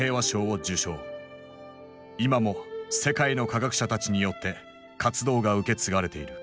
今も世界の科学者たちによって活動が受け継がれている。